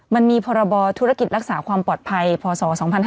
มันมีพรบธุรกิจรักษาความปลอดภัยพศ๒๕๕๙